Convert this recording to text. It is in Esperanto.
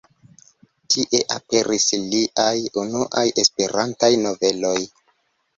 Tie aperis liaj unuaj Esperantaj noveloj.